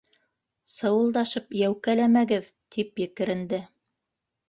Сыуылдашып йәүкәләмәгеҙ! — тип екеренде.